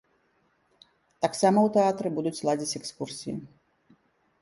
Таксама ў тэатры будуць ладзіць экскурсіі.